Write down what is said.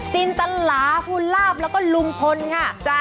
ตินตลาภูลาภแล้วก็ลุงพลค่ะ